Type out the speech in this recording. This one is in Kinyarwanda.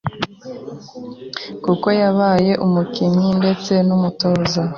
kuko yabaye umukinnyi ndetse n’umutoza.